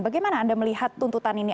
bagaimana anda melihat tuntutan ini